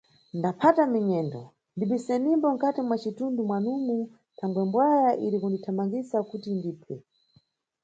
Ndaphata minyendo, ndibisenimbo mkati mwa citundu mwanumu thangwe mbwaya iri kundithamangisa kuti indiphe.